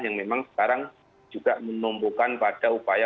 yang memang sekarang juga menumpukan pada upaya